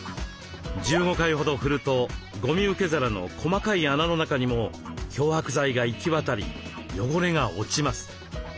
１５回ほど振るとごみ受け皿の細かい穴の中にも漂白剤が行き渡り汚れが落ちます。